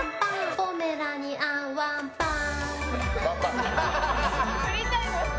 ポメラニアンワンパン。